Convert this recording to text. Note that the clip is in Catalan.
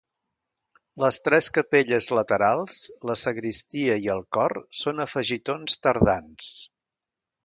Les tres capelles laterals, la sagristia i el cor són afegitons tardans.